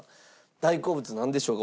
大好物なんでしょうか？